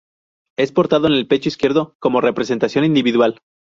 Es portado en el pecho izquierdo como representación individual.